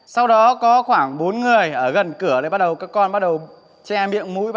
sau đó có khoảng bốn người ở gần cửa các con bắt đầu che miệng mũi cuối thấp